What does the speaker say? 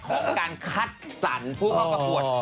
ของการคัดสรรพูดเข้ากับผ่วน